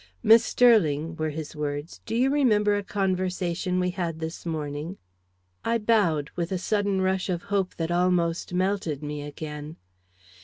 "Miss Sterling," were his words, "do you remember a conversation we had this morning?" I bowed, with a sudden rush of hope that almost melted me again.